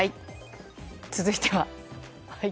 続いては。